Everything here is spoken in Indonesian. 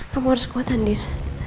kamu harus kuat andin